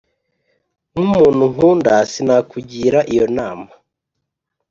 nk’umuntu nkunda sinakugira iyo nama,